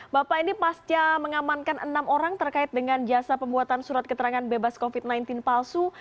bapak ini pasca mengamankan enam orang terkait dengan jasa pembuatan surat keterangan bebas covid sembilan belas palsu